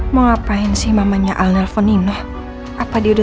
sampai jumpa di video selanjutnya